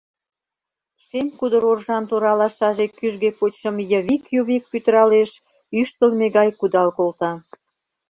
Шем кудыр оржан тор алашаже кӱжгӧ почшым йывик-ювик пӱтыралеш, ӱштылмӧ гай кудал колта.